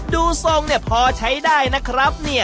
ดูทรงพอใช้ได้นะครับ